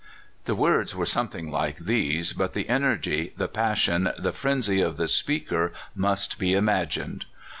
The words were something like these, but the energy, the passion, the frenzy of the speaker must be imagined.